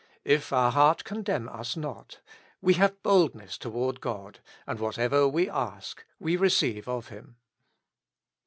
If our heart condemn us not, we have boldness toward God, and what ever we ask, we receive of Him."